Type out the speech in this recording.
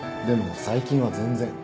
でも最近は全然。